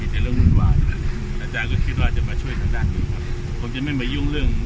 อาจารย์นะะแล้วตอนนี้งั้นหุ่มจุ้ยของท่านนายงบุร์คต้นมีปรับอะไรมั้ยคะ